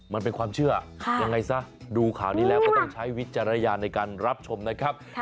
มันเป็นความเชื่อยังไงซะดูข่าวนี้แล้วก็ต้องใช้วิจารณญาณในการรับชมนะครับ